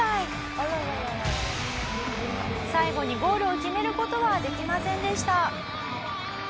最後にゴールを決める事はできませんでした。